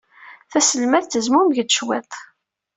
Taselmadt tezmumeg-d cwiṭ.